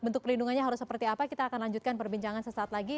bentuk pelindungannya harus seperti apa kita akan lanjutkan perbincangan sesaat lagi